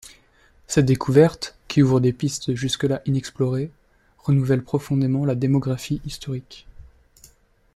Cette découverte, qui ouvre des pistes jusque-là inexplorées, renouvelle profondément la démographie historique.